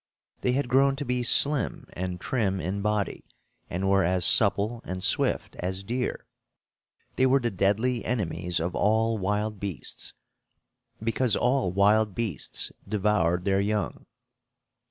They had grown to be slim and trim in body, and were as supple and swift as deer. They were the deadly enemies of all wild beasts; because all wild beasts devoured their young.